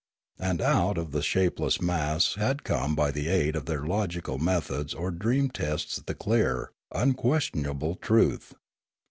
And out of the shapeless mass had come by the aid of their logical methods or dream tests the clear, unquestionable truth.